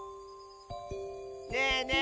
ねえねえ